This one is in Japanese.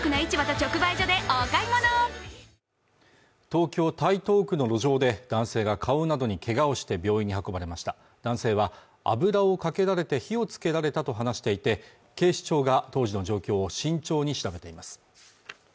東京台東区の路上で男性が顔などにけがをして病院に運ばれました男性は油をかけられて火をつけられたと話していて警視庁が当時の状況を慎重に調べています